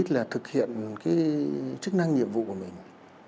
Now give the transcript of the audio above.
là thực hiện cái chức năng nhiệm vụ của mình